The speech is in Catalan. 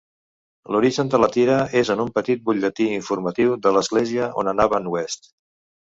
L'origen de la tira és en un petit butlletí informatiu de l'església on anava en West.